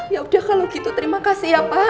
yaudah kalau gitu terima kasih ya pak